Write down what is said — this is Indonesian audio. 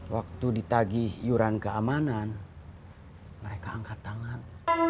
waktu ditagih iuran keamanan mereka angkat tangan